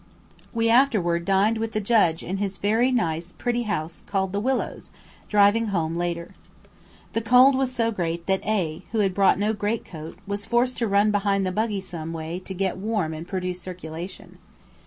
We afterward dined with the judge in his very nice pretty house called "The Willows," driving home later. The cold was so great that A , who had brought no great coat, was forced to run behind the buggy some way to get warm and produce circulation.